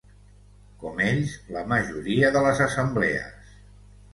Com ells, la majoria de les assemblees.